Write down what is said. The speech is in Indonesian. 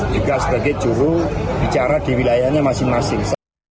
juga sebagai jurubicara di wilayahnya masing masing